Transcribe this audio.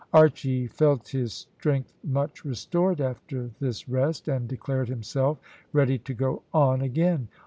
Archy felt his strength much restored after this rest, and declared himself ready to go on again.